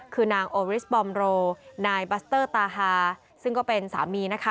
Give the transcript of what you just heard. คือนางโอริสบอมโรนายบัสเตอร์ตาฮาซึ่งก็เป็นสามีนะคะ